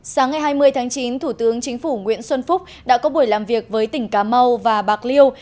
sáng ngày hai mươi tháng chín thủ tướng chính phủ nguyễn xuân phúc đã có buổi làm việc với tỉnh cà mau và bạc liêu